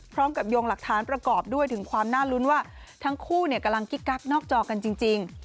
พร้อมกับโยงหลักฐานประกอบด้วยถึงความน่าลุ้นว่าทั้งคู่กำลังกิ๊กกักนอกจอกันจริง